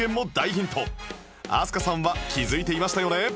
飛鳥さんは気づいていましたよね？